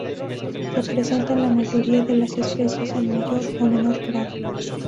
Se presenta en la mayoría de las especies, en mayor o menor grado.